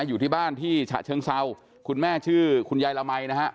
อยู่ที่บ้านที่ฉะเชิงเซาคุณแม่ชื่อคุณยายละมัยนะฮะ